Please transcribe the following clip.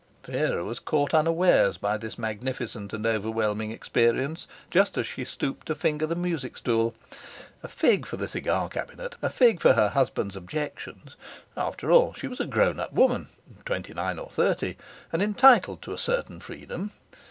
Vera was caught unawares by this magnificent and overwhelming experience, just as she stooped to finger the music stool. A fig for the cigar cabinet! A fig for her husband's objections! After all she was a grown up woman (twenty nine or thirty), and entitled to a certain freedom.